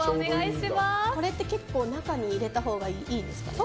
これって結構中に入れたほうがいいですか。